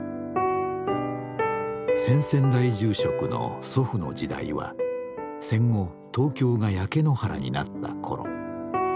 先々代住職の祖父の時代は戦後東京が焼け野原になった頃。